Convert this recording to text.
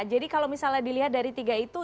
kalau misalnya dilihat dari tiga itu